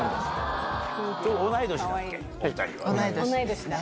同い年ですね。